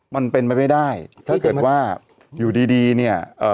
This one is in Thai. มันเป็นไปไม่ได้ถ้าเกิดว่าอยู่ดีดีเนี่ยเอ่อ